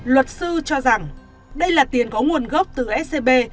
luật sư cho rằng đây là tiền có nguồn gốc từ scb